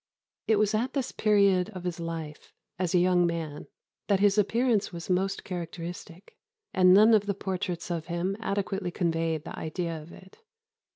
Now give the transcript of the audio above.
] "It was at this period of his life" (as a young man) "that his appearance was most characteristic, and none of the portraits of him adequately conveyed the idea of it.